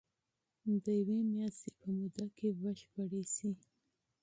د يوې مياشتي په موده کي بشپړي سي.